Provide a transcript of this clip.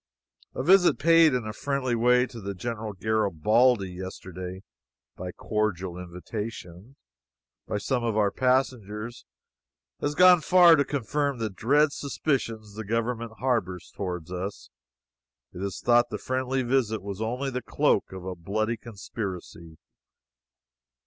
A visit paid in a friendly way to General Garibaldi yesterday (by cordial invitation,) by some of our passengers, has gone far to confirm the dread suspicions the government harbors toward us. It is thought the friendly visit was only the cloak of a bloody conspiracy.